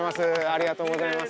ありがとうございます。